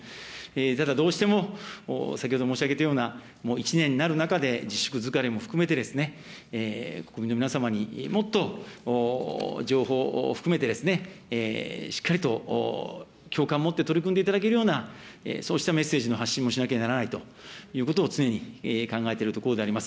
ただ、どうしても先ほど申し上げたような、１年になる中で、自粛疲れも含めてですね、国民の皆様にもっと情報を含めて、しっかりと共感持って取り組んでいただけるような、そうしたメッセージの発信もしなきゃならないということも常に考えているところであります。